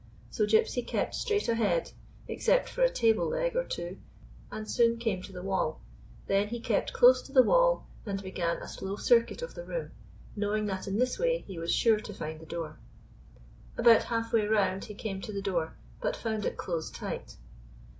So Gypsy kept straight ahead, ex cept for a table leg or two, and soon came to the wall. Then he kept close to the wall, and began a slow circuit of the room, knowing that in this way he was sure to find the door. About half way round he came to the door, but found it closed tight.